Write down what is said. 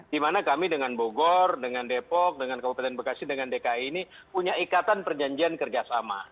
di mana kami dengan bogor dengan depok dengan kabupaten bekasi dengan dki ini punya ikatan perjanjian kerjasama